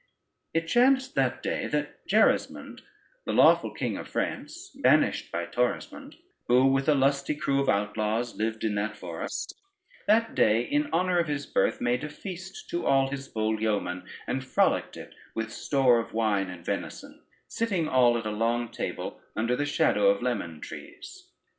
It chanced that day, that Gerismond, the lawful king of France banished by Torismond, who with a lusty crew of outlaws lived in that forest, that day in honor of his birth made a feast to all his bold yeomen, and frolicked it with store of wine and venison, sitting all at a long table under the shadow of limon trees.